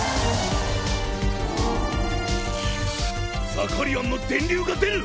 ザカリアンの電流が出る！